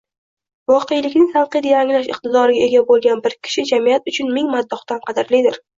Voqelikni tanqidiy anglash iqtidoriga ega bo‘lgan bir kishi jamiyat uchun ming maddohdan qadrlidir.